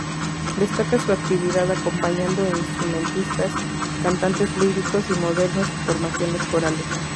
Destaca su actividad acompañando instrumentistas, cantantes líricos y modernos, y formaciones corales.